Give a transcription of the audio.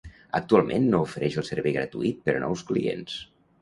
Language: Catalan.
Actualment no ofereix el servei gratuït per a nous clients.